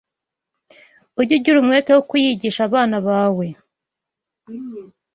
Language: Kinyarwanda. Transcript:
ujye ugira umwete wo kuyigisha abana bawe